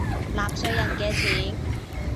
納稅人嘅錢